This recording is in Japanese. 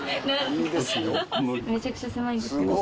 めちゃくちゃ狭いんですけど。